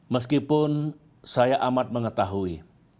meskipun saya amat mengetahui